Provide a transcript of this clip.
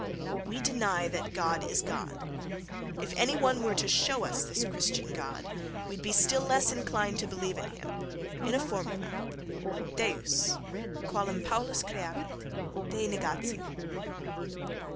We deny that God is God.... If any one were to show us this Christian God, we'd be still less inclined to believe in him.—In a formula: deus, qualem Paulus creavit, dei negatio.